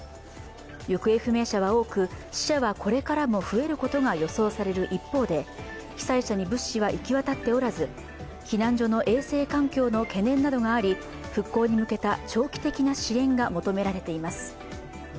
行方不明者は多く死者はこれからも増えることが予想される一方で被災者に物資は行き渡っておらず、避難所の衛生環境の懸念などがあり復興に向けた長期的な支援が求められています。